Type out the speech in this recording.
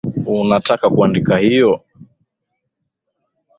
Unataka kuandika hiyo?